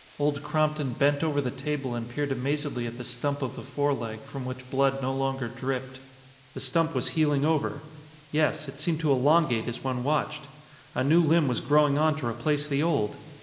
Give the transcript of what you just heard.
Old Crompton bent over the table and peered amazedly at the stump of the foreleg, from which blood no longer dripped. The stump was healing over! Yes it seemed to elongate as one watched. A new limb was growing on to replace the old!